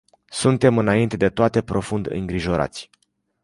Suntem înainte de toate profund îngrijorați.